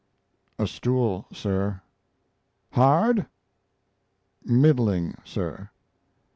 "A stool, sir." "Hard?" "Middling, sir."